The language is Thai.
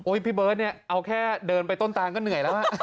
พี่เบิร์ตเนี่ยเอาแค่เดินไปต้นตานก็เหนื่อยแล้ว